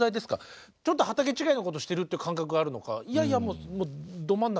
ちょっと畑違いのことしてるっていう感覚があるのかいやいやもうど真ん中